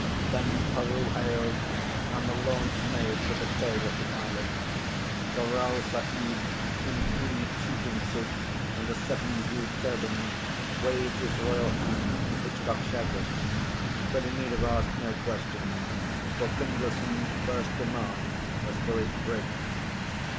Then Peroo hailed, and the launch made for the tail of the island. The Rao Sahib, in tweed shooting suit and a seven hued turban, waved his royal hand, and Hitchcock shouted. But he need have asked no questions, for Findlayson's first demand was for his bridge.